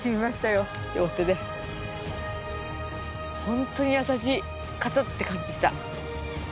ホントに優しい方って感じた。